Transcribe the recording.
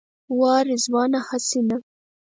وا رضوانه هسې نه.